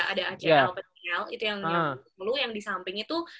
ada acl mcl itu yang yang di sebelumnya yang di samping itu